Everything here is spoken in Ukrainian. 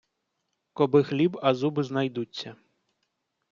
Коби хліб, а зуби знайдуться.